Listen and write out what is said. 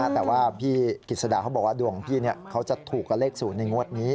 แต่ว่าพี่กิจสดาเขาบอกว่าดวงของพี่เขาจะถูกกับเลข๐ในงวดนี้